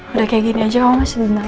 udah kayak gini aja kamu masih dengar ya